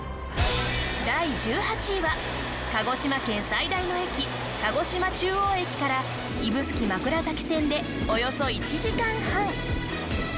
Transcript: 第１８位は鹿児島県最大の駅鹿児島中央駅から指宿枕崎線でおよそ１時間半。